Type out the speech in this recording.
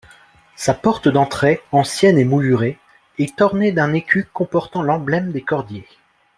Sa porte d'entrée, ancienne et moulurée est ornée d'un écu comportant l'emblème des cordiers.